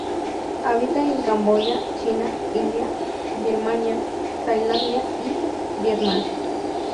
Habita en Camboya, China, India, Birmania, Tailandia y Vietnam.